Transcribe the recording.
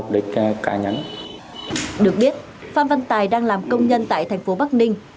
được biết phan văn tài đang làm công nhân tại thành phố bắc ninh